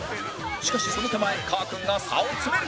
しかしその手前かーくんが差を詰める